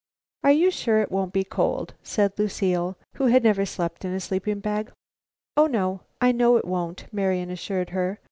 "Are you sure it won't be cold?" said Lucile, who had never slept in a sleeping bag. "Oh, no, I know it won't," Marian assured her.